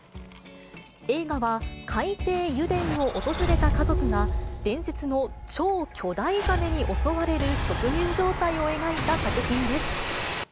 映画は、海底油田を訪れた家族が、伝説の超巨大ザメに襲われる極限状態を描いた作品です。